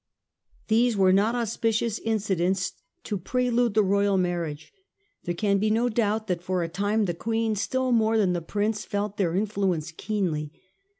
These were not auspicious incidents to prelude the Royal marriage. There can be no doubt that for a time the Queen, still more than the Prince, felt their infl uence keenly.